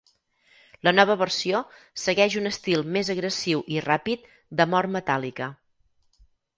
La nova versió segueix un estil més agressiu i ràpid de mort metàl·lica.